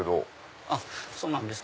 あっそうなんです。